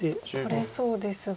取れそうですが。